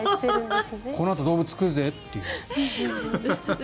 このあと動物来るぜっていう。